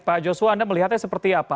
pak joshua anda melihatnya seperti apa